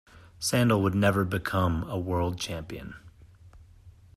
Sandel would never become a world champion.